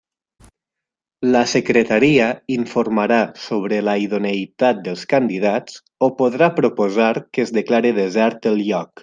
La Secretaria informarà sobre la idoneïtat dels candidats o podrà proposar que es declare desert el lloc.